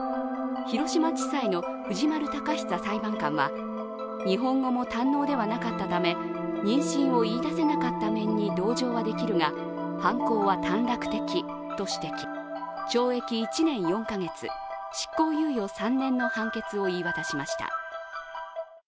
広島地裁の藤丸貴久裁判官は日本語も堪能ではなかったため妊娠を言いだせなかった面に同情はできるが犯行は短絡的と指摘、懲役１年４か月、執行猶予３年の判決を言い渡しました。